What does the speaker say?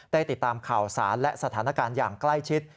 ติดตามข่าวสารและสถานการณ์อย่างใกล้ชิด